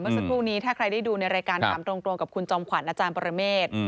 สักครู่นี้ถ้าใครได้ดูในรายการถามตรงกับคุณจอมขวัญอาจารย์ปรเมฆ